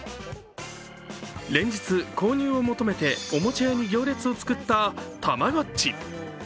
連日購入を求めておもちゃ屋に行列を作った、たまごっち。